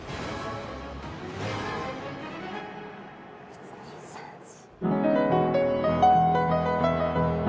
１２３４。